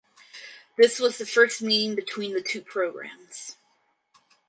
This was the first meeting between the two programs.